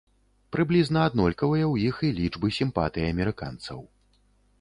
Прыблізна аднолькавыя ў іх і лічбы сімпатый амерыканцаў.